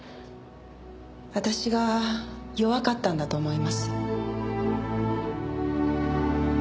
私が弱かったんだと思います。